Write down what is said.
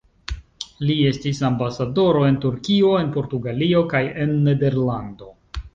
Li estis ambasadoro en Turkio, en Portugalio kaj en Nederlando.